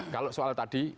kalau soal tadi